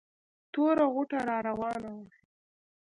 توره غوټه را راوانه وه.